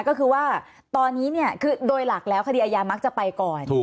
ก็คือว่าตอนนี้เนี่ยคือโดยหลักแล้วคดีอายามักจะไปก่อน